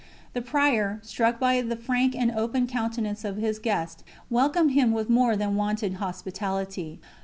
The Prior, struck by the frank and open countenance of his guest, welcomed him with more than wonted hospitality.